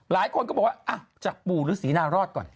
หลายคนก็บอกว่าจากปู่ฤษีนารอดก่อน